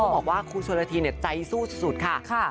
ลองว่าคุณหุ่นสู่ติดไซส่วนค่ะ